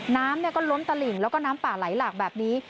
น้ำก็ล้นตลิ่งแล้วก็น้ำป่าไหลหลากแบบนี้